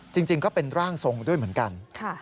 จริงก็เป็นร่างทรงด้วยเหมือนกัน